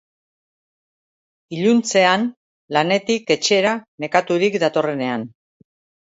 Iluntzean lanetik etxera nekaturik datorrenean.